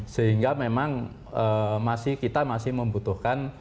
sehingga memang kita masih membutuhkan